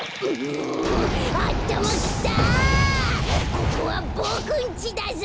ここはボクんちだぞ。